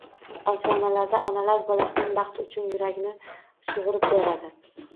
Afsonalarda onalar bolasining baxti uchun yuragini sug`urib beradi